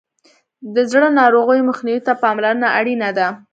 د زړه ناروغیو مخنیوي ته پاملرنه اړینه ده.